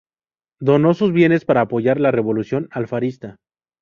Donó sus bienes para apoyar la revolución alfarista.